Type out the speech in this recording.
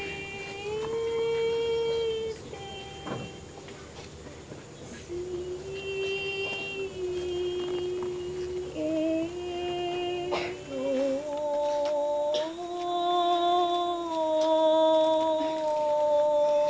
kemudian dianggap sebagai perjalanan hidup